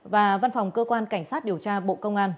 và văn phòng cơ quan cảnh sát điều tra bộ công an